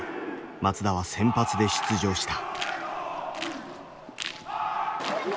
松田は先発で出場した。